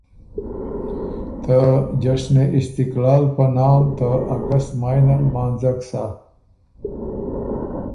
ته جشنِ استقلال په نام ته اګست مای نر لمانځک سَۀ۔